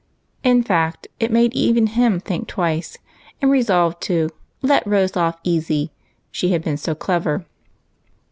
In fact, it made even him think twice, and resolve to " let Rose off easy," she had been so clever.